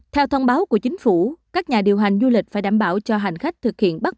theo thông báo của chính phủ các nhà điều hành du lịch phải đảm bảo cho hành khách thực hiện bắt